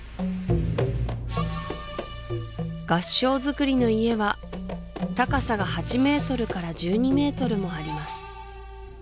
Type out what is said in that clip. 合掌造りの家は高さが８ｍから１２ｍもあります